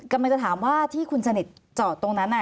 กำลังจะถามว่าที่คุณสนิทจอดตรงนั้น